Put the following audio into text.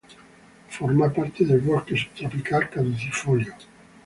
Forma parte del bosque subtropical caducifolio.